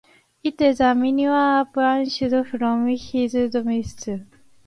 It is a minor Upanishad of Hinduism.